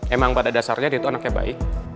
emang pada dasarnya dia itu anaknya baik